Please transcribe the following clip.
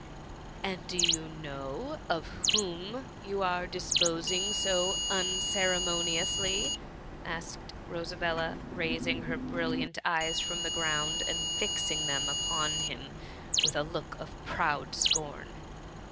^* And do you know of whom you are dis fx)sing so unceremoniously ?^ asked llosabello, raising her brilliant eyes from the ground, and £xing them upon him with a look of proud scorn.